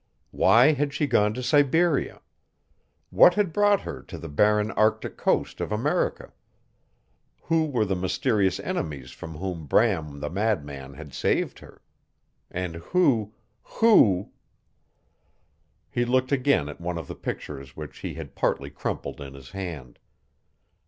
Why had she gone to Siberia? What had brought her to the barren Arctic coast of America? Who were the mysterious enemies from whom Bram the madman had saved her? And who who He looked again at one of the pictures which he had partly crumpled in his hand.